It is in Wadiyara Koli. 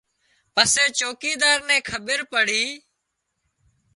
پسي چوڪيڌار نين کٻير پڙي